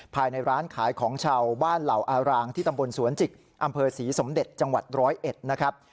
ภายในร้านขายของชำบ้านเหล่าอารางที่ตำบลสวนจิกอำเภอศรีสมเด็จจังหวัดร้อยเอ็ดนะครับ